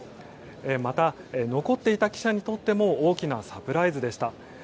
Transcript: また、残っていた記者にとっても大きなサプライズでした。